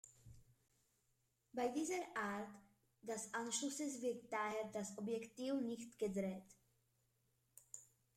Bei dieser Art des Anschlusses wird daher das Objektiv nicht gedreht.